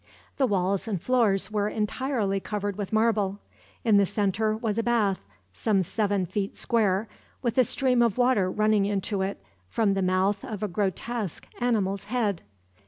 The walls and floors were entirely covered with marble. In the center was a bath, some seven feet square, with a stream of water running into it from the mouth of a grotesque animal's head.